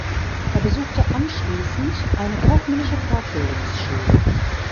Er besuchte anschließend eine kaufmännische Fortbildungsschule.